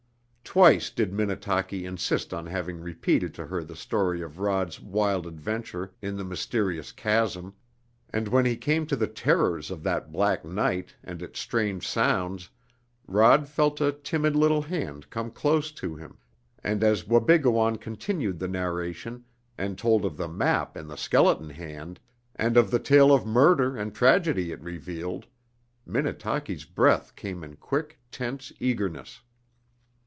Twice did Minnetaki insist on having repeated to her the story of Rod's wild adventure in the mysterious chasm, and when he came to the terrors of that black night and its strange sounds Rod felt a timid little hand come close to him, and as Wabigoon continued the narration, and told of the map in the skeleton hand, and of the tale of murder and tragedy it revealed, Minnetaki's breath came in quick, tense eagerness.